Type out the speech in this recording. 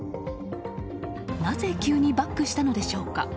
なぜ急にバックしたのでしょうか。